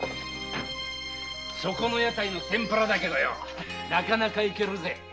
そこの屋台の天プラだけどなかなかいけるぜ。